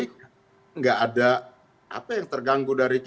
tidak ada apa yang terganggu dari kita